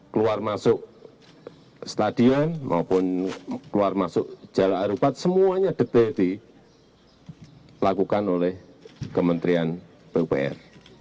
keluar masuk stadion maupun keluar masuk jalak harupat semuanya detik detik lakukan oleh kementerian pupr